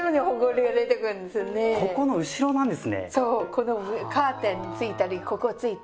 このカーテンについたりここついたり。